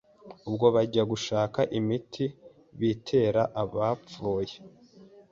Ubwo bajya gushaka imiti btera abapfuye